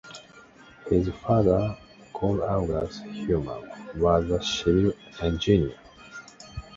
His father, Carl August Heuman, was a civil engineer.